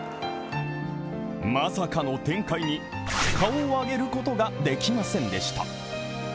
まさかの展開に顔を上げることができませんでした。